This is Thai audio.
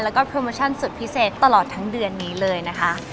แล้วก็โปรโมชั่นสุดพิเศษตลอดทั้งเดือนนี้เลยนะคะ